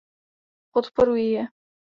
Podporuji je.